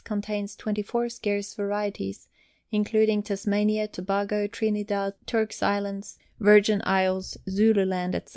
Contains 24 scarce varieties, including Tasmania, Tobago, Trinidad, Turks Islands, Virgin Isles, Zululand, etc.